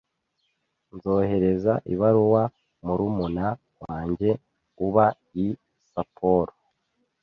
Nzohereza ibaruwa murumuna wanjye uba i Sapporo